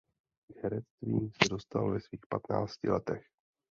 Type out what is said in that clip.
K herectví se dostal ve svých patnácti letech.